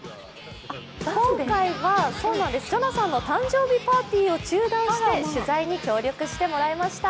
今回は、ジョナサンの誕生日パーティーを中断して取材に協力してもらいました。